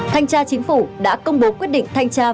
thanh tra chính phủ đã công bố quyết định thanh tra